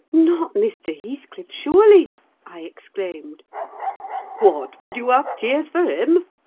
"Not Mr. Heathcliff, surely?" I exclaimed. "What! would you have tears for him?"